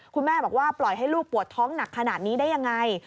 คุณแม่บอกว่าปล่อยให้ลูกปวดท้องหนักขนาดนี้ได้ยังไง